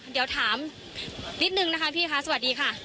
เดี๋ยวถามนิดนึงนะคะพี่คะสวัสดีค่ะ